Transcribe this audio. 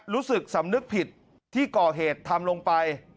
รู้สึกสำนึกผิดที่ก่อเหตุทำลงไป